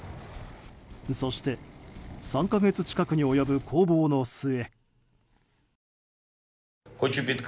そして３か月近くに及ぶ攻防の末。